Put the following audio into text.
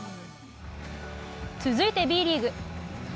続いて、Ｂリーグ。